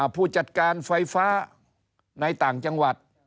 ผู้จัดการไฟฟ้าในต่างจังหวัด